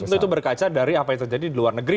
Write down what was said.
tentu itu berkaca dari apa yang terjadi di luar negeri